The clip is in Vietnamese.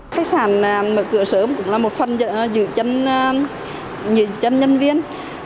khách sạn mở cửa sớm cũng là một phần giữ chân nhân viên